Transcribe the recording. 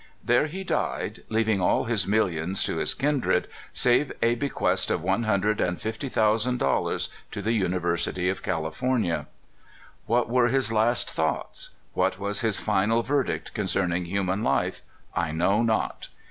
There he died, leaving all his millions to his kindred, save a bequest of one hundred and fifty thousand dollars to the University of California. What were his last thoughts, what was his final verdict concern ing human life, I know not.